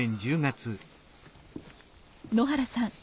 野原さん